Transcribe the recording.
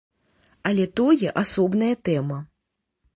Але тое асобная тэма.